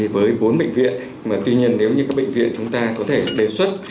với bốn bệnh viện mà tuy nhiên nếu như các bệnh viện chúng ta có thể đề xuất